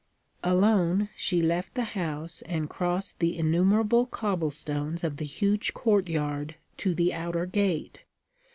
Alone, she left the house and crossed the innumerable cobblestones of the huge courtyard to the outer gate.